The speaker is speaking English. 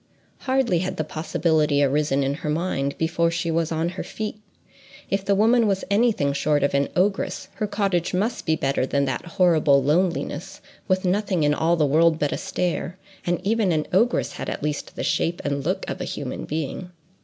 Hardly had the possibility arisen in her mind, before she was on her feet: if the woman was any thing short of an ogress, her cottage must be better than that horrible loneliness, with nothing in all the world but a stare; and even an ogress had at least the shape and look of a human being.